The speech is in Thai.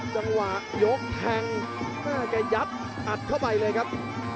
จังหวะยกแทงแม่แกยัดอัดเข้าไปเลยครับ